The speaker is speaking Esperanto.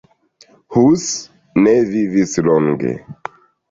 Hus ne vivis longe.